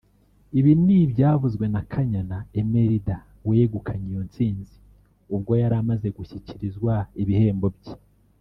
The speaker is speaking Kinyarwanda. Ibi ni ibyavuzwe na Kanyana Emelda wegukanye iyo ntsinzi ubwo yari amaze gushyikirizwa ibihembo bye